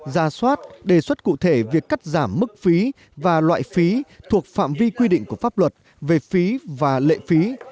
ra soát đề xuất cụ thể việc cắt giảm mức phí và loại phí thuộc phạm vi quy định của pháp luật về phí và lệ phí